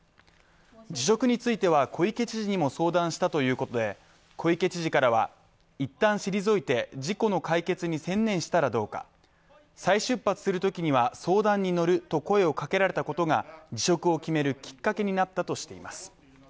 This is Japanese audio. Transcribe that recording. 辞職については、小池知事にも相談したということで小池知事からは、一旦退いて事故の解決に専念したらどうか、再出発するときには相談に乗ると声をかけられたことが辞職を決めるきっかけになったとしています。